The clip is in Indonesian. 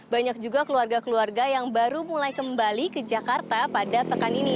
banyak juga keluarga keluarga yang baru mulai kembali ke jakarta pada pekan ini